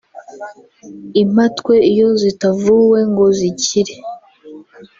Impatwe iyo zitavuwe ngo zikire